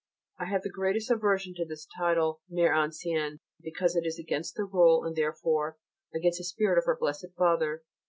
I have the greatest aversion to this title Mère ancienne, because it is against the Rule and therefore against the spirit of our Blessed Father.